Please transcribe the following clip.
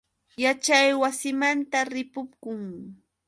Huk mamram yaćhaywasimanta ripukun.